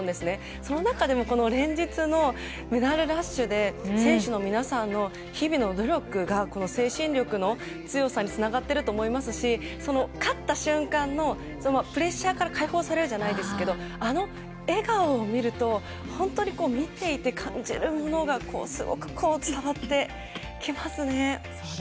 その中でも連日のメダルラッシュで選手の皆さんの日々の努力が精神力の強さにつながっていると思いますし勝った瞬間のプレッシャーから解放されるじゃないですけどあの笑顔を見ると本当に、見ていて感じるものがすごく伝わってきますね。